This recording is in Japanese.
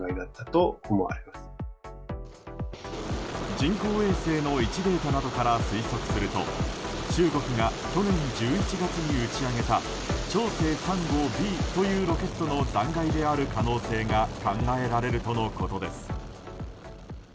人工衛星の位置データなどから推測すると中国が去年１１月に打ち上げた「長征３号Ｂ」というロケットの残骸である可能性が考えられるとのことです。